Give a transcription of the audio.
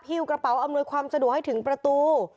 กระเป๋าอำนวยความสะดวกให้ถึงประตู